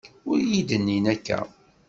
Ur iyi-d-nnin akka.